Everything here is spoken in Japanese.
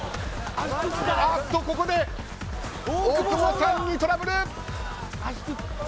ここで大久保さんにトラブル。